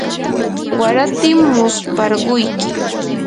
waratim musparquyki.